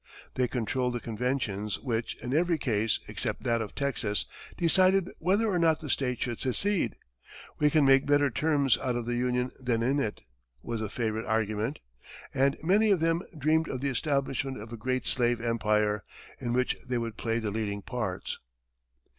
They controlled the conventions which, in every case except that of Texas, decided whether or not the state should secede. "We can make better terms out of the Union than in it," was a favorite argument, and many of them dreamed of the establishment of a great slave empire, in which they would play the leading parts.